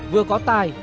vừa có tài